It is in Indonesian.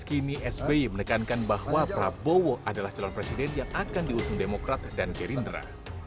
kini sby menekankan bahwa prabowo adalah calon presiden yang akan diusung demokrat dan gerindra